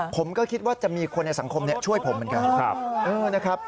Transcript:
ผมก็คิดว่าจะมีคนในสังคมช่วยผมเหมือนกันนะครับ